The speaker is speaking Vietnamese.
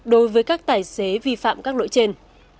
đối với các tài xế vi phạm các lỗi trên